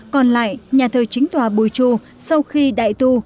còn lại nhà thờ chính tòa bùi chu sau khi đại tu